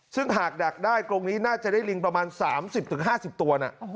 ซึ่งหากดักได้กรงนี้น่าจะได้ลิงประมาณ๓๐๕๐ตัวนะ